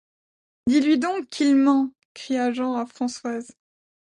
Dis-lui donc qu’il ment! cria Jean à Françoise.